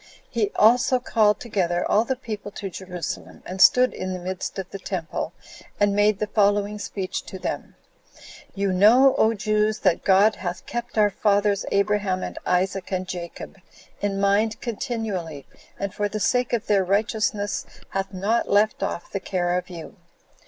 He also called together all the people to Jerusalem, and stood in the midst of the temple, and made the following speech to them: "You know, O Jews, that God hath kept our fathers, Abraham, and Isaac, and Jacob, in mind continually, and for the sake of their righteousness hath not left off the care of you.